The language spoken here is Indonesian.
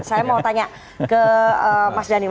saya mau tanya ke mas dhani